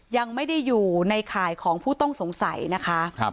ยังไม่ได้อยู่ในข่ายของผู้ต้องสงสัยนะคะ